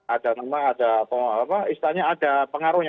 ada nama ada apa istanya ada pengaruhnya